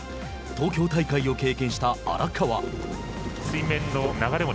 東京大会を経験した荒川。